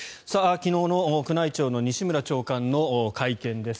昨日の宮内庁の西村長官の会見です。